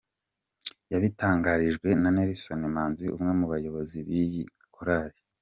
com yabitangarijwe na Nelson Manzi umwe mu bayobozi b’iyi Korali.